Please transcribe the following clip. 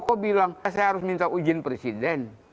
pak jokowi bilang saya harus minta ujin presiden